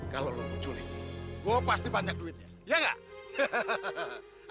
kalau lo culi gue pasti banyak duitnya ya gak